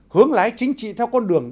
hướng lái chính trị theo con đường